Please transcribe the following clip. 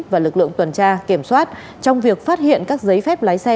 và lực lượng tuần tra kiểm soát trong việc phát hiện các giấy phép lái xe